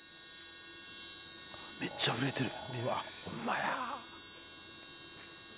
めっちゃ震えてる。